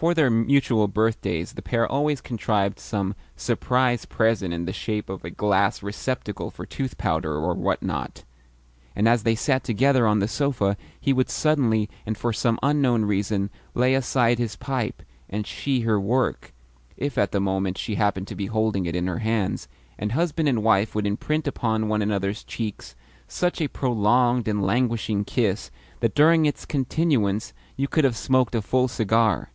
For their mutual birthdays the pair always contrived some "surprise present" in the shape of a glass receptacle for tooth powder, or what not; and as they sat together on the sofa he would suddenly, and for some unknown reason, lay aside his pipe, and she her work (if at the moment she happened to be holding it in her hands) and husband and wife would imprint upon one another's cheeks such a prolonged and languishing kiss that during its continuance you could have smoked a small cigar.